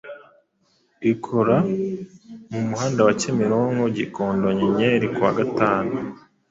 ikora mu muhanda wa Kimironko-Gikondo-Nyenyeri ku wa Gatanu